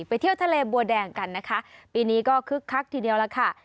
เที่ยวทะเลบัวแดงกันนะคะปีนี้ก็คึกคักทีเดียวล่ะค่ะ